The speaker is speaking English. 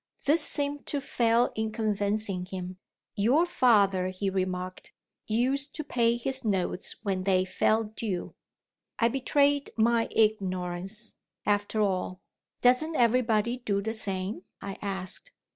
This seemed to fail in convincing him. "Your father," he remarked, "used to pay his notes when they fell due." I betrayed my ignorance, after all. "Doesn't everybody do the same?" I asked.